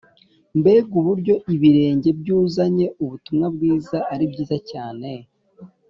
mbega uburyo ibirenge byuzanye ubutumwa bwiza ari byiza cyane!